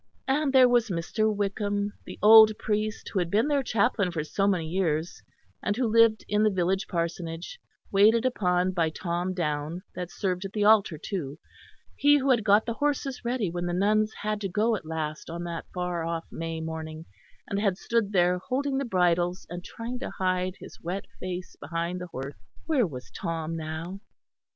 And there was Mr. Wickham, the old priest who had been their chaplain for so many years, and who lived in the village parsonage, waited upon by Tom Downe, that served at the altar too he who had got the horses ready when the nuns had to go at last on that far off May morning, and had stood there, holding the bridles and trying to hide his wet face behind the horses; where was Tom now?